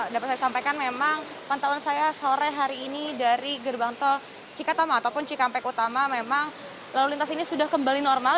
dapat saya sampaikan memang pantauan saya sore hari ini dari gerbang tol cikatama ataupun cikampek utama memang lalu lintas ini sudah kembali normal